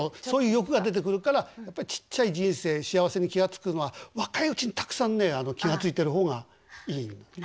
そういう欲が出てくるからやっぱりちっちゃい人生幸せに気が付くのは若いうちにたくさんね気が付いてる方がいいの。